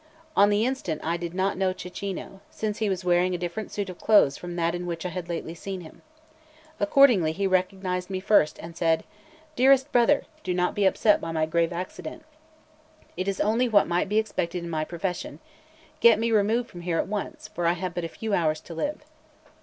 On the instant I did not know Cecchino, since he was wearing a different suit of clothes from that in which I had lately seen him. Accordingly, he recognised me first, and said: "Dearest brother, do not be upset by my grave accident; it is only what might be expected in my profession: get me removed from here at once, for I have but few hours to live."